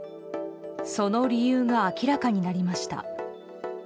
その理由が明らかになりました。